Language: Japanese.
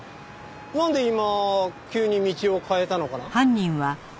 なんで今急に道を変えたのかな？